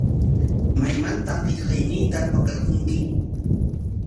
¿Maymantaq qillqayniita pakarqurki?